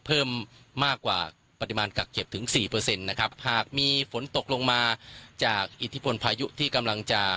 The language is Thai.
เพิ่มมากกว่าปริมาณกักเก็บถึงสี่เปอร์เซ็นต์นะครับหากมีฝนตกลงมาจากอิทธิพลพายุที่กำลังจะ